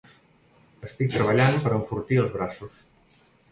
Estic treballant per enfortir els braços.